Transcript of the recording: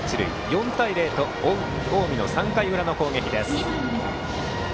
４対０近江の３回の裏の攻撃です。